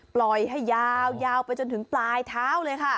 ปล่อยให้ยาวไปจนถึงปลายเท้าเลยค่ะ